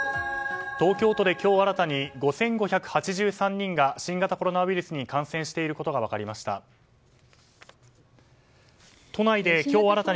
東京都で今日新たに５５８３人が新型コロナウイルスに感染していることが分かりました。